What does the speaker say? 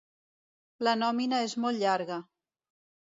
La nòmina és molt llarga.